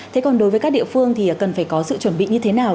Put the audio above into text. thế còn đối với các địa phương thì cần phải có sự chuẩn bị như thế nào